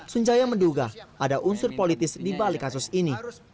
sunjaya menduga ada unsur politis di balik kasus ini